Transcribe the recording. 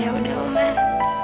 ya udah oman